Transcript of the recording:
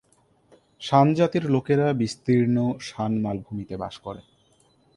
শান জাতির লোকেরা বিস্তীর্ণ শান মালভূমিতে বাস করে।